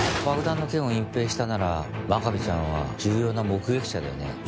爆弾の件を隠蔽したなら真壁ちゃんは重要な目撃者だよね。